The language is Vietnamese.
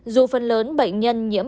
dù phần lớn bệnh nhân nhiễm